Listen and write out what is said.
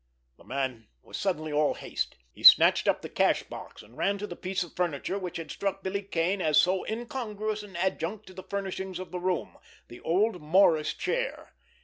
The man was suddenly all haste. He snatched up the cash box, and ran to the piece of furniture which had struck Billy Kane as so incongruous an adjunct to the furnishings of the room—the old morris chair.